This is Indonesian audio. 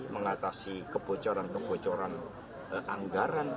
mengatasi kebocoran kebocoran anggaran